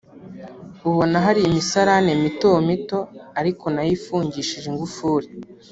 ubona hari imisarane mito mito ariko nayo ifungishije ingufuri